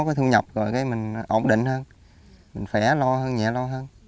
mình có thương nhập rồi mình ổn định hơn mình phẻ lo hơn nhẹ lo hơn